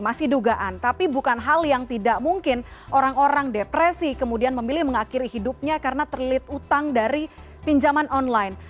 masih dugaan tapi bukan hal yang tidak mungkin orang orang depresi kemudian memilih mengakhiri hidupnya karena terlit utang dari pinjaman online